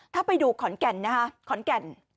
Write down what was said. ถ้าไปดูขอนแก่นนะคะขอนแก่น